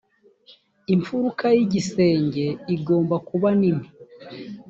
imfuruka y igisenge igombakubanini.